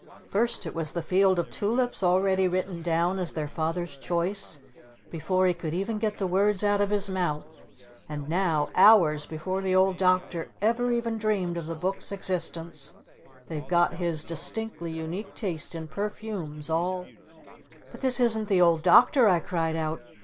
First it was the 'Field of Tulips' already written down as their Father's choice before he could even get the words out of his mouth! And now, hours before the Old Doctor ever even dreamed of the Book's existence they've got his distinctly unique taste in perfumes all " "But this isn't the Old Doctor!" I cried out.